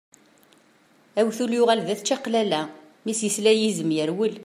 Awtul yuɣal d at čaqlala, mi s-yesla yizem yerwel.